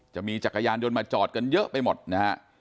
จักรยานยนต์มาจอดกันเยอะไปหมดนะฮะ